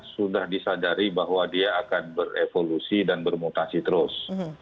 sudah disadari bahwa dia akan berevolusi dan bermutasi terus